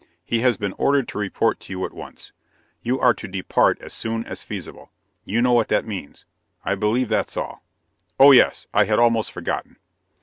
He has been ordered to report to you at once. You are to depart as soon as feasible: you know what that means. I believe that's all Oh, yes! I had almost forgotten.